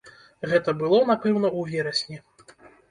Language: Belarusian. Гэта было, напэўна, у верасні.